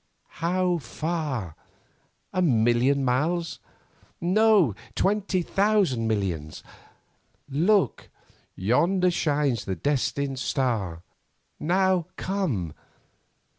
How far? A million miles? No, twenty thousand millions. Look, yonder shines the destined Star; now come!